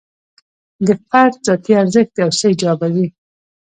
د فرد ذاتي ارزښت یو څه ایجابوي.